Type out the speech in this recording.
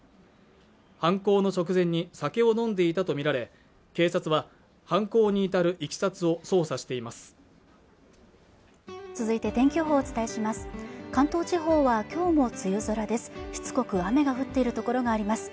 犯行の直前に酒を飲んでいたと見られ警察は犯行に至る経緯を捜査しています